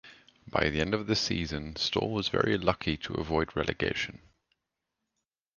By the end of the season, Stal was very lucky to avoid relegation.